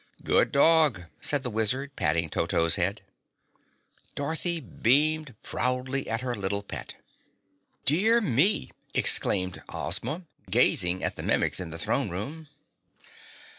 "Good dog!" said the Wizard, patting Toto's head. Dorothy beamed proudly at her little pet. "Dear me!" exclaimed Ozma, gazing at the Mimics in the throne room.